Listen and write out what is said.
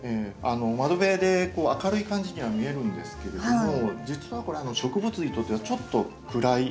窓辺で明るい感じには見えるんですけれども実はこれ植物にとってはちょっと暗い。